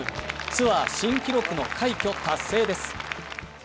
ツアー新記録の快挙達成です。